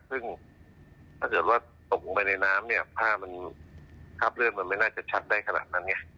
ซึ่งถ้าเกิดว่าตกลงไปในน้ำเนี่ยผ้ามันคราบเลือดมันไม่น่าจะชัดได้ขนาดนั้นไง